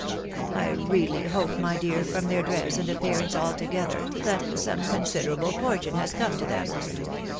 I really hope, my dear, from their dress and appearance altogether, that some considerable fortune has come to them.